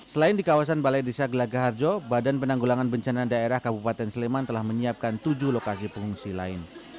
selain di kawasan balai desa gelaga harjo badan penanggulangan bencana daerah kabupaten sleman telah menyiapkan tujuh lokasi pengungsi lain